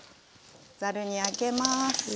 ざるにあけます。